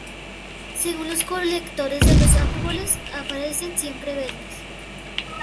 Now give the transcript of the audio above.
Según los colectores de los árboles aparecen siempre- verdes.